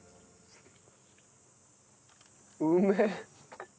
うめえ。